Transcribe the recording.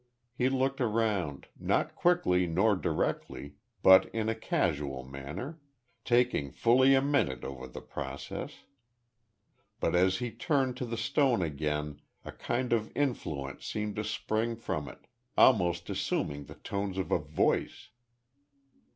He looked around, not quickly nor directly, but in a casual manner; taking fully a minute over the process. But as he turned to the stone again a kind of influence seemed to spring from it, almost assuming the tones of a voice.